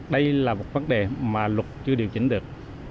đây là một vấn đề mà luật chưa điều chỉnh được